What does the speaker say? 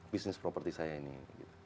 bisnis properti saya ini